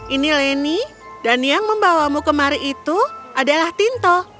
ini leni dan yang membawamu kemari itu adalah tinto